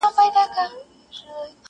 دواړي تلي مي سوځیږي په غرمو ولاړه یمه!.